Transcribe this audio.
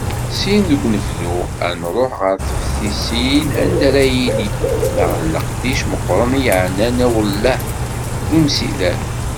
Syin deg unebdu, ad nruḥ ɣer teftisin anda ara yili, daɣen, leqdic meqqren i yeɛnan awellah n umsider.